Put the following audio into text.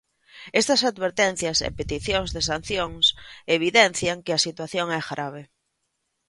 Estas advertencias e peticións de sancións evidencian que a situación é grave.